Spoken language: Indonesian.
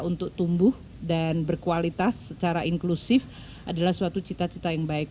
untuk tumbuh dan berkualitas secara inklusif adalah suatu cita cita yang baik